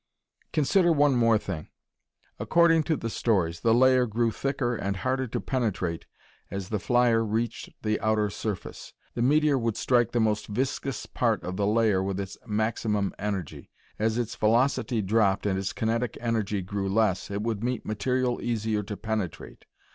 Consider one more thing. According to the stories, the layer grew thicker and harder to penetrate as the flyer reached the outer surface. The meteor would strike the most viscous part of the layer with its maximum energy. As its velocity dropped and its kinetic energy grew less, it would meet material easier to penetrate.